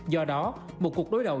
do đó một cuộc đối đầu